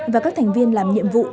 và các thành viên làm nhiệm vụ